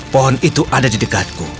pohon itu ada di dekatku